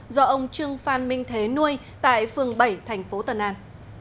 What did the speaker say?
do ông trương phan minh thế nuôi tại phường bảy thành phố tân an